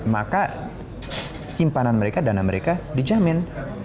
maka simpanan mereka dana mereka dijamin